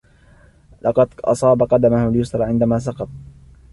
لقد أصاب قدمه اليسرى عندما سقط.